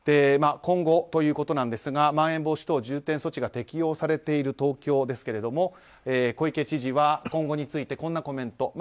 今後ということなんですがまん延防止等重点措置が適用されている東京ですけれども小池知事は今後についてこんなコメント。